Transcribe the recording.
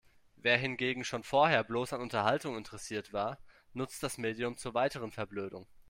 Wer hingegen schon vorher bloß an Unterhaltung interessiert war, nutzt das Medium zur weiteren Verblödung.